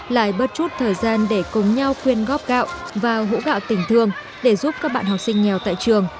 lại bớt chút thời gian để cùng nhau khuyên góp gạo và hũ gạo tình thương để giúp các bạn học sinh nghèo tại trường